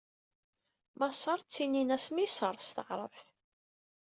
Maṣer ttinin-as Miṣr s taɛṛabt.